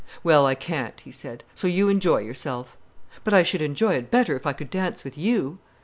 "Well, I can't," he said. "So you enjoy yourself." "But I should enjoy it better if I could dance with you."